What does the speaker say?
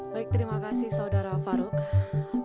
baik terima kasih saudara farouk